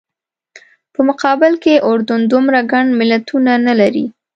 په مقابل کې اردن دومره ګڼ ملتونه نه لري.